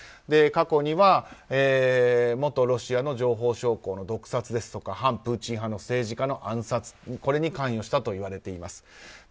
過去には元ロシアの情報将校の暗殺や反プーチン派の政治家の暗殺に関与したといわれています。